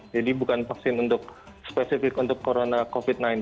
jadi bukan vaksin untuk spesifik untuk corona covid sembilan belas